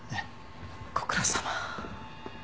ご苦労さま。